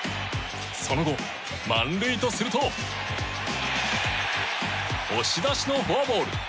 その後、満塁とすると押し出しのフォアボール。